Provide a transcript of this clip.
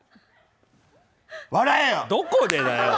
どこでだよ！